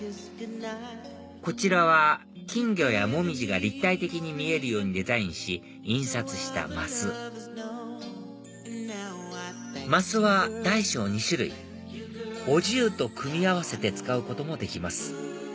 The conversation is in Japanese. こちらは金魚やモミジが立体的に見えるようにデザインし印刷した升升は大小２種類ＯＪＵと組み合わせて使うこともできます